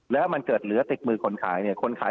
แล้วมันเกิดเหลือกมือคนขายเนี่ย